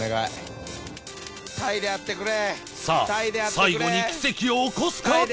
最後に奇跡を起こすか？